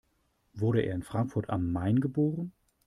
Wurde er in Frankfurt am Main geboren?